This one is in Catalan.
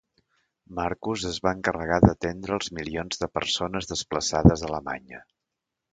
Marcus es va encarregar d'atendre els milions de persones desplaçades a Alemanya.